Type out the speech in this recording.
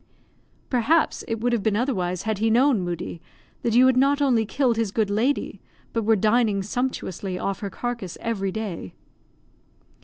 "Perhaps it would have been otherwise had he known, Moodie, that you had not only killed his good lady, but were dining sumptuously off her carcass every day."